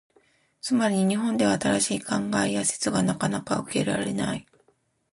つまり、日本では新しい考えや説がなかなか受け入れられない。